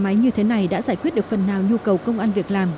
nhà máy như thế này đã giải quyết được phần nào nhu cầu công an việc làm